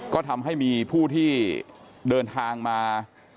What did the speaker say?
ก็ทำให้มีผู้ที่เดินทางมา